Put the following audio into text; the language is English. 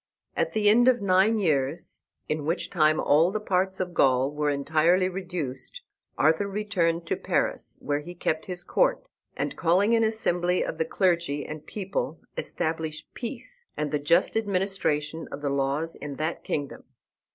At the end of nine years, in which time all the parts of Gaul were entirely reduced, Arthur returned to Paris, where he kept his court, and, calling an assembly of the clergy and people, established peace and the just administration of the laws in that kingdom.